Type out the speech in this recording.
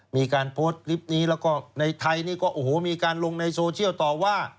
มีการโพสต์คลิปนี้แล้วก็ในไทยนี่ก็โอ้โหมีการลงในโซเชียลต่อว่า